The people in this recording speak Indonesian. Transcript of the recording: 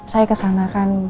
saya kesana kan bukan dalam rumah